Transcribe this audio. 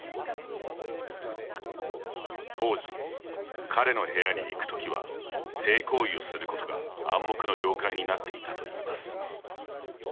当時、彼の部屋に行くときは性行為をすることが暗黙の了解になっていたといいます。